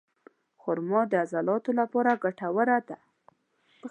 خرما د عضلاتو لپاره ګټوره ده.